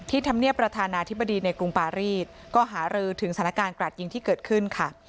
ธรรมเนียบประธานาธิบดีในกรุงปารีสก็หารือถึงสถานการณ์กราดยิงที่เกิดขึ้นค่ะ